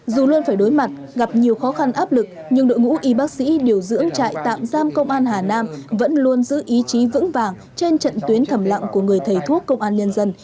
dù luôn phải đối mặt gặp nhiều khó khăn áp lực nhưng đội ngũ y bác sĩ điều dưỡng trại tạm giam công an hà nam vẫn luôn giữ ý chí vững vàng trên trận tuyến thầm lặng của người thầy thuốc công an nhân dân